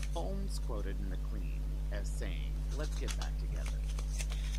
Holmes quotes McLean as saying, Let's get back together.